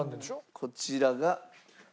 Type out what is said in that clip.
こちらが。